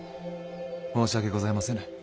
申し訳ございませぬ。